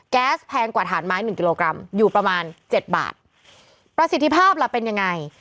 แก๊สแพงกว่าฐานไม้หนึ่งกิโลกรัมอยู่ประมาณเจ็ดบาทประสิทธิภาพล่ะเป็นยังไง